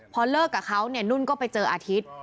พอเลิกกับเขาเนี่ยนุ่นก็ไปเจออาทิตย์